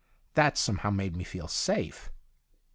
That somehow made me feel safe.